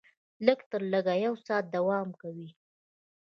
لږ تر لږه یو ساعت دوام کوي.